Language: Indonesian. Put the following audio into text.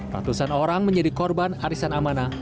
ratusan orang menjadi korban arisan amanah